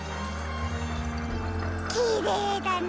きれいだな。